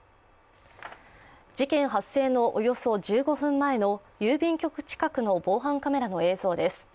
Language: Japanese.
事件発生のおよそ１５分前の郵便局近くの防犯カメラの映像です。